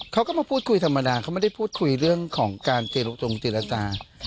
เขาก็มาพูดคุยธรรมดาเขาไม่ได้พูดคุยเรื่องของการเจรจงเจรจา